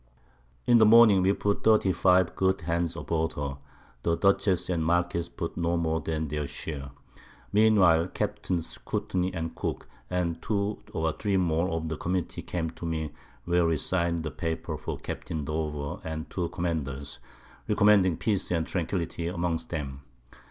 In the Morning we put 35 good Hands aboard her. The Dutchess and Marquiss put no more than their Share. Mean while Capts. Courtney and Cooke, and 2 or 3 more of the Committee came to me, where we sign'd a Paper for Capt. Dover and the two Commanders, recommending Peace and Tranquility amongst them.